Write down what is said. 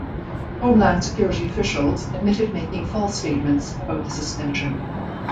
Homeland Security officials admitted making false statements about the suspension.